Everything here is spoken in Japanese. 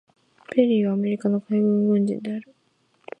ペリーはアメリカの海軍軍人である。